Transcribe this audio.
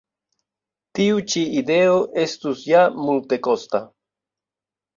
Tiu ĉi ideo estus ja multekosta.